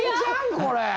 これ。